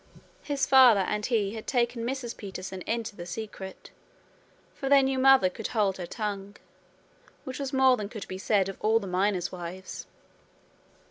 His father and he had taken Mrs. Peterson into the secret, for they knew mother could hold her tongue, which was more than could be said of all the miners' wives.